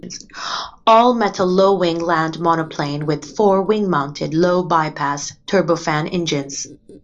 All-metal low-wing land monoplane with four wing-mounted low-bypass turbofan engines.